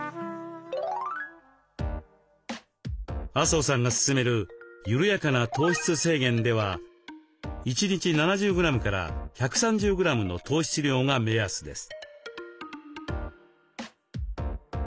麻生さんが勧める「ゆるやかな糖質制限」では１日７０グラムから１３０グラムの糖質量が目安です。